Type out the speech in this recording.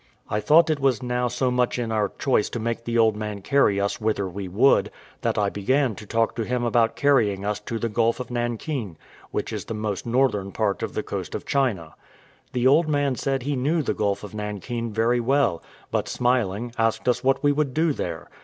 I thought it was now so much in our choice to make the old man carry us whither we would, that I began to talk to him about carrying us to the Gulf of Nankin, which is the most northern part of the coast of China. The old man said he knew the Gulf of Nankin very well; but smiling, asked us what we would do there?